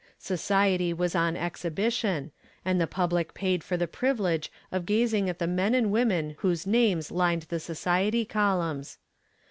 Society was on exhibition, and the public paid for the privilege of gazing at the men and women whose names filled the society columns.